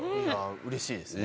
うれしいですね。